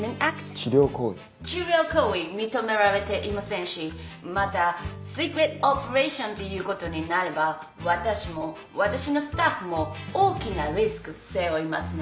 治療行為認められていませんしまたシークレットオペレーションということになれば私も私のスタッフも大きなリスク背負いますね。